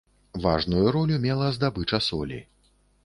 Важную ролю мела здабыча солі.